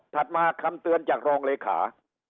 มาคำเตือนจากรองเลขา